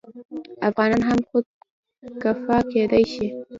افغانان هم خودکفا کیدی شي.